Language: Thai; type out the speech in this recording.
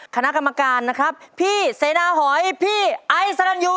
คณะกรรมการนะครับพี่เสนาหอยพี่ไอสรรยู